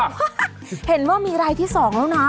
เห็นว่ามีรายที่๒แล้วนะ